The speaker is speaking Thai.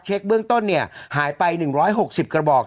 เช็กเบื้องต้นหายไป๑๖๐กระบอก